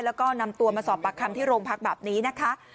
แล้วก็นำตัวมาสอบปากคำที่โรงพักแบบนี้นะคะ